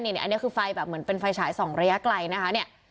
เนี่ยเนี่ยอันนี้คือไฟแบบเหมือนเป็นไฟฉายส่องระยะไกลนะคะเนี่ย